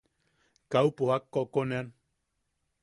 Kaupo jak kokoneʼan.